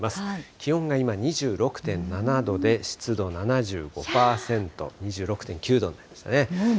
気温が今２６．７度で、湿度７５％、２６．９度ですね。